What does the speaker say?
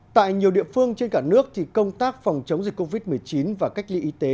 tại nhiều địa phương trên cả nước thì công tác phòng chống dịch covid một mươi chín và cách ly y tế